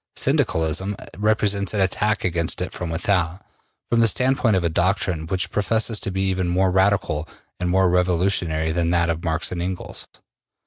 Syndicalism represents an attack against it from without, from the standpoint of a doctrine which professes to be even more radical and more revolutionary than that of Marx and Engels.